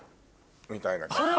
みたいな感じ。